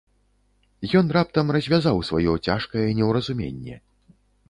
Ён раптам развязаў сваё цяжкае неўразуменне.